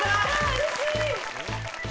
うれしい。